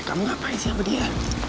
kamu ngapain sih sama dia